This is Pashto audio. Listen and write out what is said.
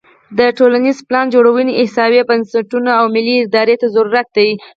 د ټولنیزې پلانجوړونې احصایوي بنسټونو او ملي ارادې ته ضرورت دی.